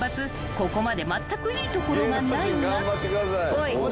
ここまでまったくいいところがないが］